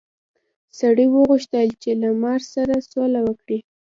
سړي وغوښتل چې له مار سره سوله وکړي.